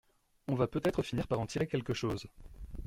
On va peut-être finir par en tirer quelque chose!